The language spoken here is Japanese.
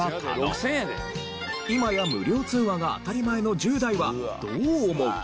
今や無料通話が当たり前の１０代はどう思う？